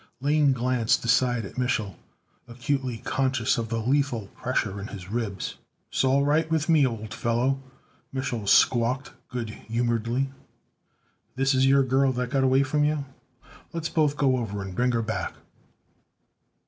Lane glanced aside at Mich'l, acutely conscious of the lethal pressure in his ribs. "'Sall right with me, old fellow," Mich'l squawked good humoredly. "This your girl that got away from you? Let's both go over and bring her back."